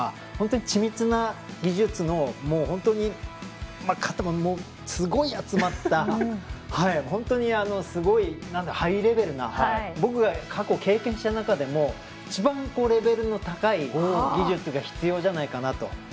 本当に緻密な技術がすごい集まった本当にすごいハイレベルな僕が過去、経験した中でも一番レベルの高い技術が必要じゃないかなと。